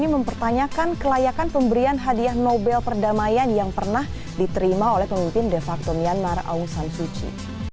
mempertanyakan kelayakan pemberian hadiah nobel perdamaian yang pernah diterima oleh pemimpin de facto myanmar aung san suci